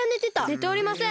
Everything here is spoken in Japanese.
ねておりません！